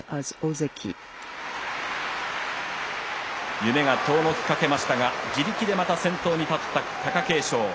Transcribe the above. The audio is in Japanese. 夢が遠のきかけましたが、自力でまた先頭に立った貴景勝。